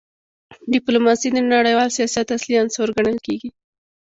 ډیپلوماسي د نړیوال سیاست اصلي عنصر ګڼل کېږي.